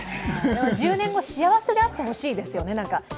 １０年後、幸せであってほしいですもんね。